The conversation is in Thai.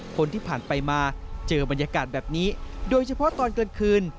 คนที่ผ่านไปมาเจอบรรยากาศแบบนี้โดยเฉพาะตอนกลางคืน